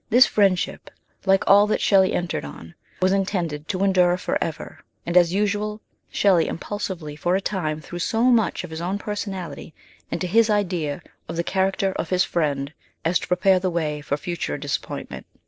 This friendship, like all that Shelley entered on, was intended to endure Cl for ever," and, as usual, Shelley impulsively for a time threw so much of his own personality into his idea of the character of his friend as to prepare the way for future dis appointment.